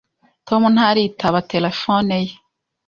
Tom ntaritaba telefone ye.